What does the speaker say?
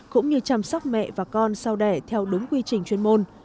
cũng như chăm sóc mẹ và con sau đẻ theo đúng quy trình chuyên môn